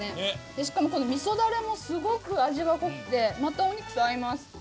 しかもこの味噌ダレもすごく味が濃くてまたお肉と合います。